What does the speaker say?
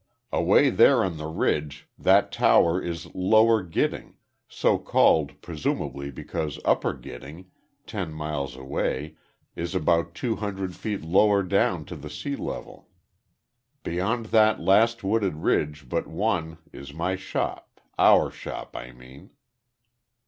"Away there on the ridge, that tower is Lower Gidding, so called, presumably because Upper Gidding, ten miles away, is about two hundred feet lower down to the sea level. Beyond that last wooded ridge but one, is my shop our shop I mean."